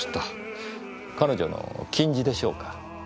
彼女の矜持でしょうか。